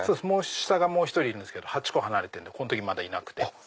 下がもう１人いるんですけど８個離れてるんでこの時まだいなくて。